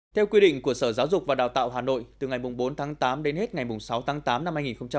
theo quy định của sở giáo dục và đào tạo hà nội từ ngày bốn tháng tám đến hết ngày sáu tháng tám năm hai nghìn hai mươi